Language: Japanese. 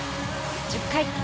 １０回。